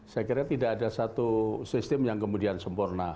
saya kira tidak ada satu sistem yang kemudian sempurna